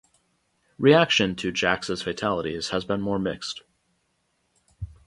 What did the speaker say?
Reaction to Jax's Fatalities has been more mixed.